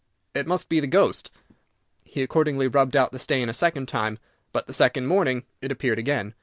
It must be the ghost." He accordingly rubbed out the stain a second time, but the second morning it appeared again.